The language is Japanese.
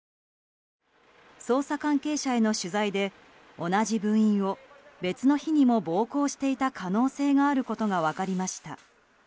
捜査関係者への取材で同じ部員を別の日にも暴行していた可能性があることが分かりました。